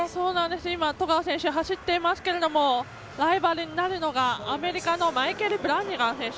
今、十川選手走っていますけれどもライバルになるのがライバルになるのがアメリカのマイケル・ブラニガン選手。